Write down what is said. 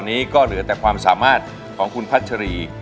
นี้ก็เหลือแต่ความสามารถของคุณพัชรี